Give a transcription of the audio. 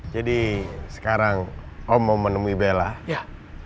jadi sekarang om menemui bella ya